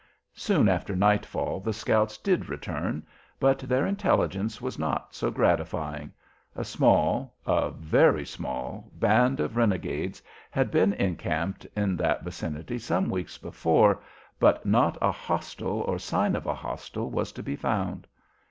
Soon after nightfall the scouts did return, but their intelligence was not so gratifying: a small a very small band of renegades had been encamped in that vicinity some weeks before, but not a "hostile" or sign of a hostile was to be found.